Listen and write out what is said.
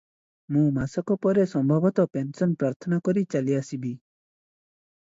ମୁଁ ମାସକ ପରେ ସମ୍ଭବତଃ ପେନ୍ସନ୍ ପ୍ରାର୍ଥନା କରି ଚାଲିଆସିବି ।"